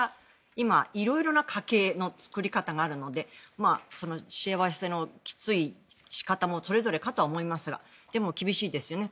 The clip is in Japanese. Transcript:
今、色々な家計の作り方があるのでしわ寄せのきつい仕方もそれぞれかと思いますがでも、厳しいですよね。